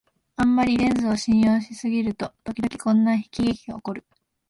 あんまりレンズを信用しすぎると、ときどきこんな喜劇がおこる